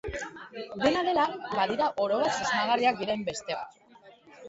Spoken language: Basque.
Dena dela, badira orobat susmagarriak diren beste batzuk.